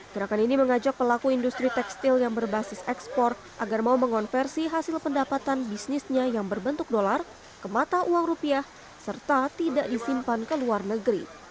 gerakan ini mengajak pelaku industri tekstil yang berbasis ekspor agar mau mengonversi hasil pendapatan bisnisnya yang berbentuk dolar ke mata uang rupiah serta tidak disimpan ke luar negeri